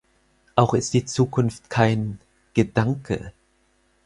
Auch ist die Zukunft kein „Gedanke“.